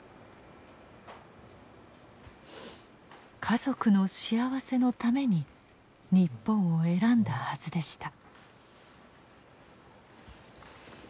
家族の幸せのために日本を選んだはずでした。